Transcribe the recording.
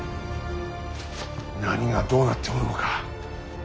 何がどうなっておるのか。